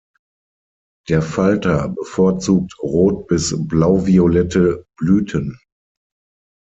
Der Falter bevorzugt rot- bis blauviolette Blüten.